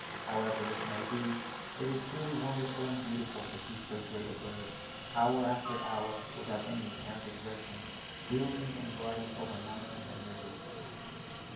However this may be, it is truly wonderful and beautiful to see so great a bird, hour after hour, without any apparent exertion, wheeling and gliding over mountain and river.